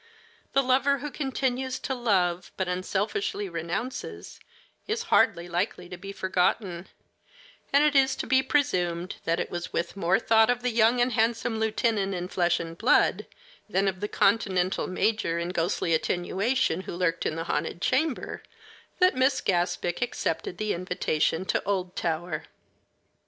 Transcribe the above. The lover who continues to love, but unselfishly renounces, is hardly likely to be forgotten; and it is to be presumed that it was with more thought of the young and handsome lieutenant in flesh and blood than of the Continental major in ghostly attenuation who lurked in the haunted chamber that Miss Gaspic accepted the invitation to Oldtower.